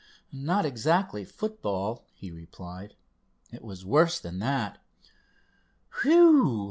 "No, not exactly football," he replied. "It was worse than that." "Whew!"